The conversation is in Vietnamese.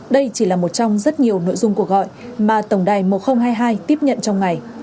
đây chỉ là một trong rất nhiều nội dung cuộc gọi mà tổng đài một nghìn hai mươi hai tiếp nhận trong ngày